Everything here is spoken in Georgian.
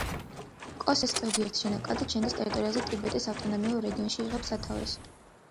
კოსის ზოგიერთი შენაკადი ჩინეთის ტერიტორიაზე, ტიბეტის ავტონომიურ რეგიონში იღებს სათავეს.